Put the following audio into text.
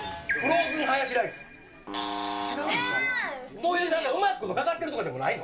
そういううまいことかかってるとかでもないの？